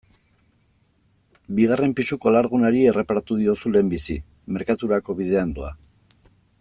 Bigarren pisuko alargunari erreparatu diozu lehenbizi, merkaturako bidean doa.